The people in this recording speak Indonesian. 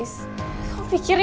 aku mau ngerti